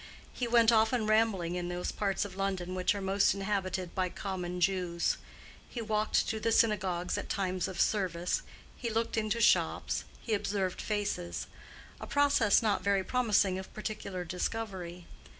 He went often rambling in those parts of London which are most inhabited by common Jews. He walked to the synagogues at times of service, he looked into shops, he observed faces:—a process not very promising of particular discovery.